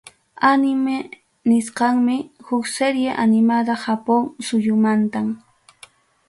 Anime nisqanmi, huk serie aniamada Japón suyumantam.